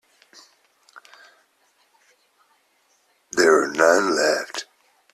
There are none left.